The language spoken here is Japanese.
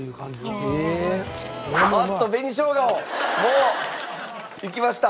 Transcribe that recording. あっと紅生姜をもういきました。